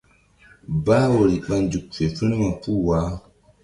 Bah woyri ɓa nzuk fe firma puh wah.